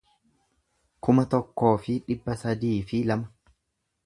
kuma tokkoo fi dhibba sadii fi lama